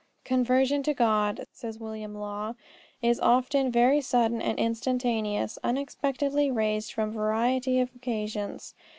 "Conversion to God," says William Law, "is often very sudden and instantaneous, unexpectedly raised from variety of occasions.